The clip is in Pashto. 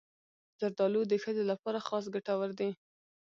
زردالو د ښځو لپاره خاص ګټور دی.